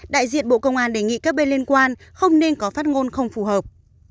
đại diện bộ công an đề nghị các bên liên quan không nên có phát ngôn không phù hợp